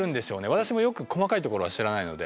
私もよく細かいところは知らないので。